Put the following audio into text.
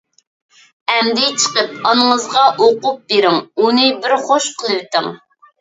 — ئەمدى چىقىپ ئانىڭىزغا ئوقۇپ بېرىڭ. ئۇنى بىر خۇش قىلىۋېتىڭ.